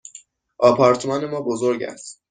آپارتمان ما بزرگ است.